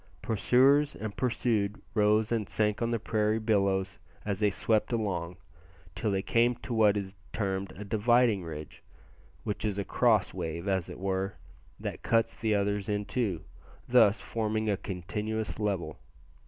Pursuers and pursued rose and sank on the prairie billows as they swept along, till they came to what is termed a "dividing ridge," which is a cross wave, as it were, that cuts the others in two, thus forming a continuous level.